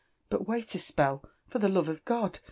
— But w^it a spe^l, fpr the Iflive of pod.